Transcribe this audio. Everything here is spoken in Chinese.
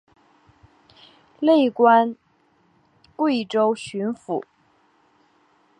累官贵州巡抚。